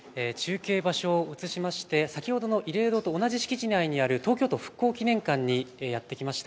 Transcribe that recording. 中継の場所を移して先ほど慰霊堂と同じ敷地内にある東京都復興記念館にやってきました。